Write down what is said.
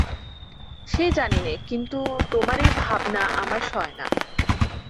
সে জানি নে, কিন্তু তোমার এই ভাবনা আমার সয় না।